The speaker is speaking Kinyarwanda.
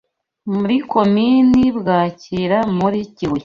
muri Komini Bwakira muri Kibuye